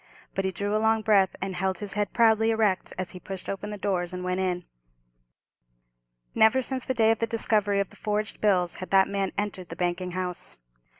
But he drew a long breath, and held his head proudly erect as he pushed open the doors and went in. Never since the day of the discovery of the forged bills had that man entered the banking house.